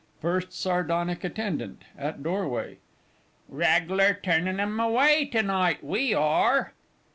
_ FIRST SARDONIC ATTENDANT (at doorway). Reg'lar turnin' em away to night, we are!